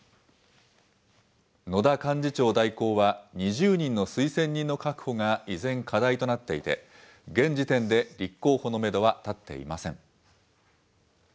野田幹事長代行は、２０人の推薦人の確保が依然課題となっていて、現時点で立候補のメドは立っていません。